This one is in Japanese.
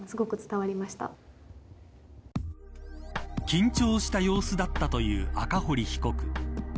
緊張した様子だったという赤堀被告。